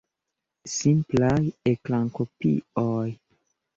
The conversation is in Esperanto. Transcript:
Simplaj ekrankopioj.